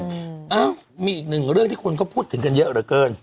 อ้าวมีอีกหนึ่งเรื่องที่คนก็พูดถึงกันเยอะเหลือเกิน